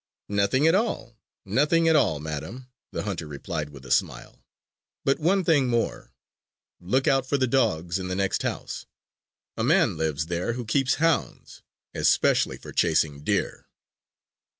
"Nothing at all, nothing at all, madam," the hunter replied with a smile. "But one thing more: look out for the dogs in the next house. A man lives there who keeps hounds especially for chasing deer."